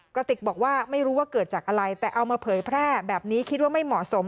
กระติกบอกว่าไม่รู้ว่าเกิดจากอะไรแต่เอามาเผยแพร่แบบนี้คิดว่าไม่เหมาะสม